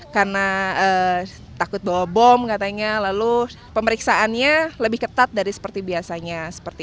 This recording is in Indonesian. karena takut bawa bom katanya lalu pemeriksaannya lebih ketat dari seperti biasanya